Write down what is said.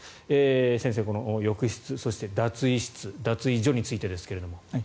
先生、浴室脱衣室、脱衣所についてですが。